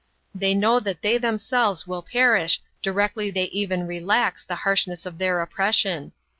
They know that they themselves will perish directly they even relax the harshness of their oppression.